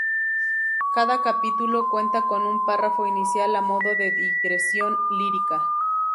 Cada capítulo cuenta con un párrafo inicial a modo de digresión lírica.